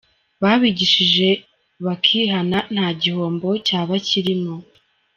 Babigishije bakihana nta gihombo cyaba kirimo ”.